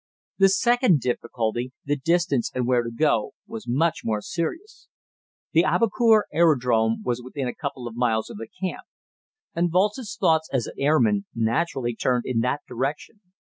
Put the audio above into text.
The second difficulty the distance, and where to go was much more serious. The Aboukir aerodrome was within a couple of miles of the camp, and Walz's thoughts as an airman naturally turned in that direction.